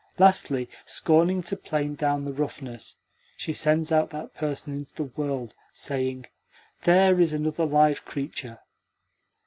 Lastly, scorning to plane down the roughness, she sends out that person into the world, saying: "There is another live creature."